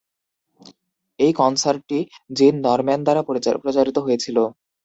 এই কনসার্টটি Jean Norman দ্বারা প্রচারিত হয়েছিল।